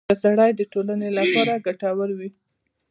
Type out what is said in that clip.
• ښه سړی د ټولنې لپاره ګټور وي.